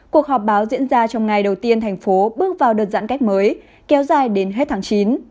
cuộc họp báo diễn ra trong ngày đầu tiên thành phố bước vào đợt giãn cách mới kéo dài đến hết tháng chín